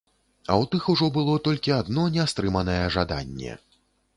А ў тых ужо было толькі адно нястрыманае жаданне.